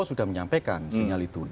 sudah menyampaikan sinyal itu